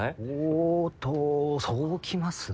おっとそうきます？